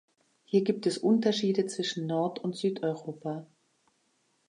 Hier gibt es Unterschiede zwischen Nord- und Südeuropa.